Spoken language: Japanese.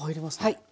はい。